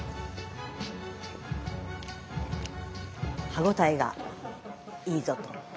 歯応えがいいぞと。